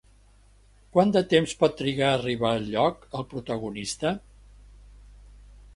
Quant de temps pot trigar a arribar al lloc, el protagonista?